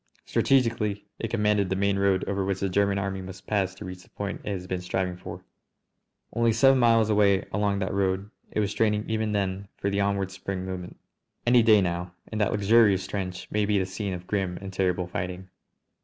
Strategically it commanded the main road over which the German Army must pass to reach the point it has been striving for. Only seven miles away along that road it was straining even then for the onward spring movement. Any day now, and that luxurious trench may be the scene of grim and terrible fighting.